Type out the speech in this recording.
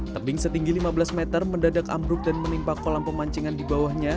tebing setinggi lima belas meter mendadak ambruk dan menimpa kolam pemancingan di bawahnya